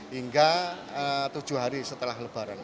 hingga tujuh hari setelah lebaran